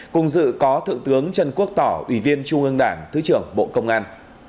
cùng dự có thượng tướng trần quốc tỏ ủy viên trung ương đảng thứ trưởng bộ công an